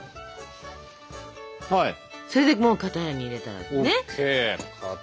それでもう型に入れたらね。